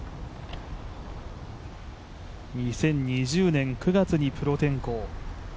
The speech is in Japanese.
２０２０年９月にプロ転向。